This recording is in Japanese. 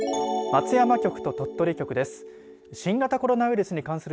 松山局と鳥取局です。